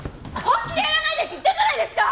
本気でやらないでって言ったじゃないですか！